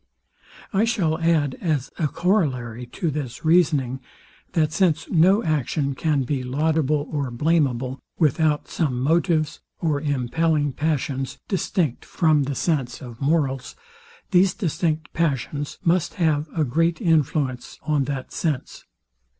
I shall add, as a corollary to this reasoning, that since no action can be laudable or blameable, without some motives or impelling passions, distinct from the sense of morals, these distinct passions must have a great influence on that sense.